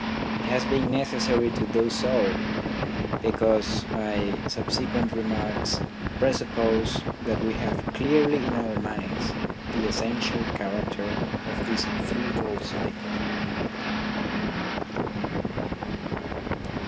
It has been necessary to do so because my subsequent remarks presuppose that we have clearly in our minds the essential character of this threefold cycle.